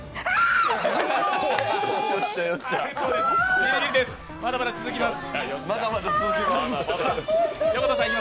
ビリビリです、まだまだ続きます。